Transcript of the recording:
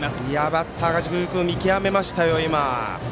バッターがよく見極めましたよ。